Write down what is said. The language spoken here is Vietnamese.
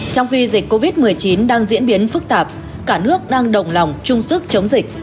trong khi dịch covid một mươi chín đang diễn biến phức tạp cả nước đang đồng lòng chung sức chống dịch